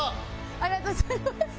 ありがとうございます。